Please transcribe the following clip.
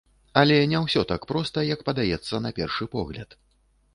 Але не ўсё так проста, як падаецца на першы погляд.